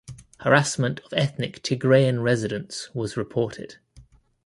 Harassment of ethnic Tigrayan residents was reported.